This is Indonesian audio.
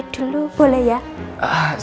dia kepakan banget